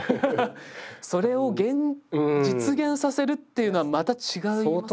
それを実現させるっていうのはまた違いますよね。